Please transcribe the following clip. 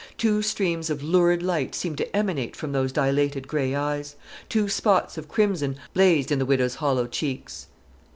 Two streams of lurid light seemed to emanate from those dilated gray eyes; two spots of crimson blazed in the widow's hollow cheeks.